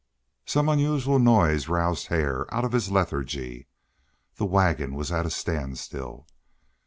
Some unusual noise roused Hare out of his lethargy. The wagon was at a standstill.